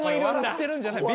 笑ってるんじゃない。